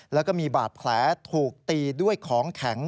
แล้วก็มีบาดแผลถูกตีด้วยของแข็ง